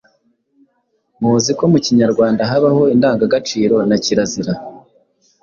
Muzi ko mu Kinyarwanda habaho indangagaciro na kirazira.